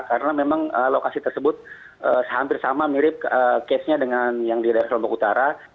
karena memang lokasi tersebut hampir sama mirip kesnya dengan yang di daerah lombok utara